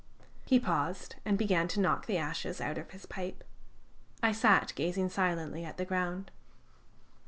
He paused, and began to knock the ashes out of his pipe. I sat gazing silently at the ground.